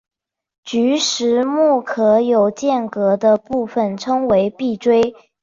菊石目壳有间隔的部份称为闭锥。